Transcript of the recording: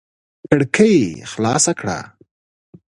کړکۍ خلاصه کړه.